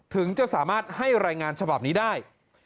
ถึงจะสามารถให้รายงานฉบับนี้ได้